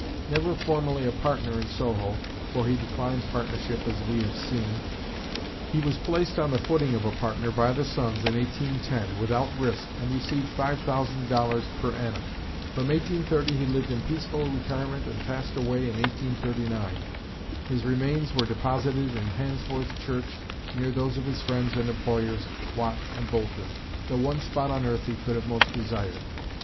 Never formally a partner in Soho (for he declined partnership as we have seen), he was placed on the footing of a partner by the sons in 1810, without risk, and received $5,000 per annum. From 1830 he lived in peaceful retirement and passed away in 1839. His remains were deposited in Handsworth Church near those of his friends and employers, Watt and Boulton (the one spot on earth he could have most desired).